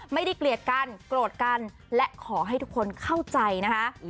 เกลียดกันโกรธกันและขอให้ทุกคนเข้าใจนะคะ